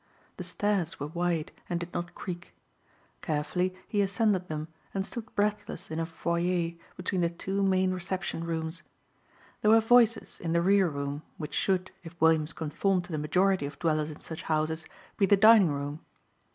The stairs were wide and did not creak. Carefully he ascended them and stood breathless in a foyer between the two main reception rooms. There were voices in the rear room, which should, if Williams conformed to the majority of dwellers in such houses, be the dining room.